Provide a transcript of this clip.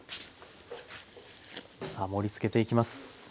さあ盛りつけていきます。